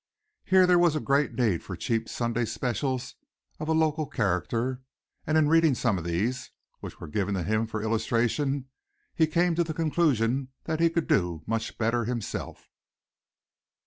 Here there was great need for cheap Sunday specials of a local character, and in reading some of these, which were given to him for illustration, he came to the conclusion that he could do much better himself.